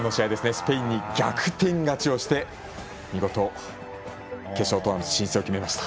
スペインに逆転勝ちをして見事、決勝トーナメント進出を決めました。